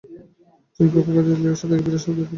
তিনি পোপ ত্রয়োদশ লিওর সাথে একটি বিরাট শ্রোতাদল পান।